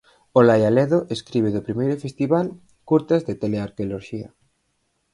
Olaia Ledo escribe do primeiro festival 'Curtas de Telearqueoloxía'.